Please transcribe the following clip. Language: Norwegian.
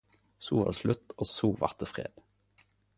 So var det slutt og so vart det fred.